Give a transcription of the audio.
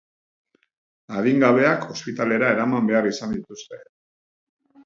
Adingabeak ospitalera eraman behar izan dituzte.